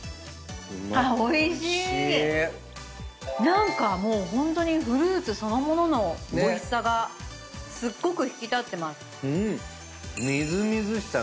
何かもうホントにフルーツそのもののおいしさがすっごく引き立ってます。